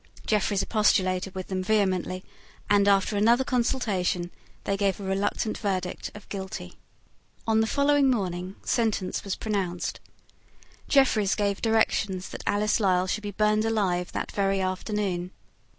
Jeffreys expostulated with them vehemently, and, after another consultation, they gave a reluctant verdict of Guilty. On the following morning sentence was pronounced. Jeffreys gave directions that Alice Lisle should be burned alive that very afternoon.